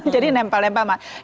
jadi nempel nempel banget